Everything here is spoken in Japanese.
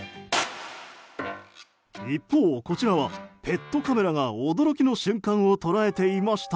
一方、こちらはペットカメラが驚きの瞬間を捉えていました。